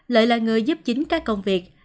lợi là người giúp chính các công việc